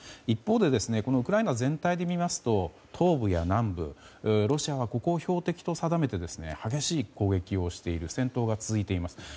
一方でウクライナ全体で見ますと東部や南部ロシアはここを標的と定めて激しい攻撃を続けている戦闘が続いています。